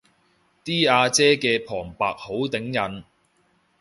啲阿姐嘅旁白好頂癮